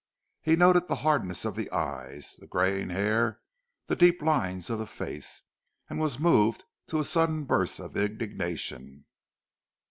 He noted the hardness of the eyes, the greying hair, the deep lines of the face, and was moved to a sudden burst of indignation.